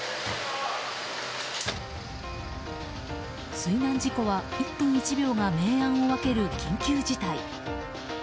水難事故は１分１秒が明暗を分ける緊急事態。